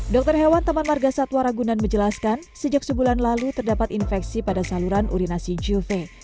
dokter hewan taman marga satwa ragunan menjelaskan sejak sebulan lalu terdapat infeksi pada saluran urinasi juve